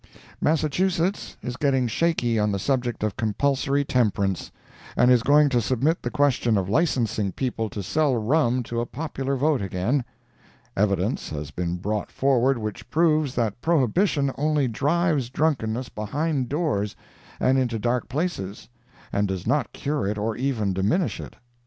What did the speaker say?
Massachusetts is getting shaky on the subject of compulsory temperance, and is going to submit the question of licensing people to sell rum to a popular vote again. Evidence has been brought forward which proves that prohibition only drives drunkenness behind doors and into dark places, and does not cure it or even diminish it.